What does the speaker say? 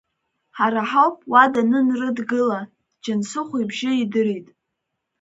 Ҳара ҳауп, уа данынрыдгыла, Џьансыхә ибжьы идырит.